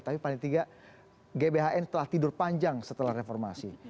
tapi paling tidak gbhn telah tidur panjang setelah reformasi